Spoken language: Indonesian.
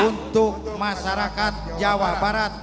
untuk masyarakat jawa barat